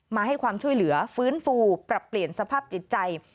มาให้ความช่วยเหลือฟื้นฟูปรับเปลี่ยนสภาพจิตใจ